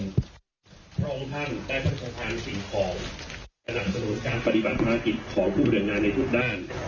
ทั้งทั้งใต้ประสงค์ทางสิ่งของสนับสนุนการปฏิบัติภาคกิจของผู้ปฏิบัติงานในทุกด้าน